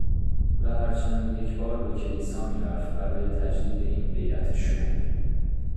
و هر چند یک بار به کلیسا می رفت برای تجدید این بیعت شوم.